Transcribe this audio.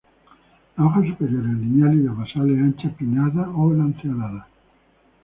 Las hojas superiores lineales y las basales anchas, pinnadas o lanceoladas.